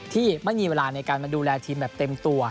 ที่ไม่มีเวลาในการมาดูแลทีมแบบเต็มตัว